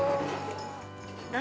「何？」